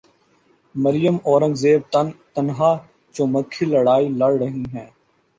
مریم اورنگزیب تن تنہا چو مکھی لڑائی لڑ رہی ہیں۔